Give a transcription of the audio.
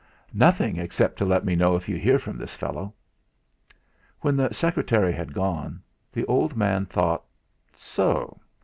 "Nothing, except to let me know if you hear from this fellow." When the secretary had gone the old man thought: 'So!